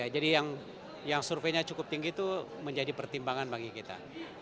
jadi yang surveinya cukup tinggi itu menjadi pertimbangan bagi kita